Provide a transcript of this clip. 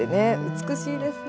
美しいですね。